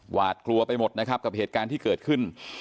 หวาดกลัวไปหมดนะครับกับเหตุการณ์ที่เกิดขึ้น